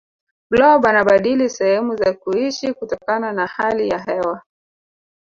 blob anabadili sehemu za kuishi kutokana na hali ya hewa